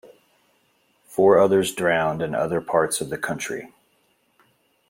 Four others drowned in other parts of the country.